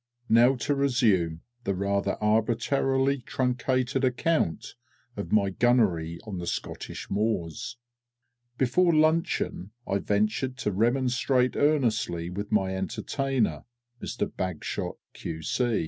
_ Now to resume the rather arbitrarily truncated account of my gunnery on Scottish moors. Before luncheon I ventured to remonstrate earnestly with my entertainer, Mr BAGSHOT, Q.C.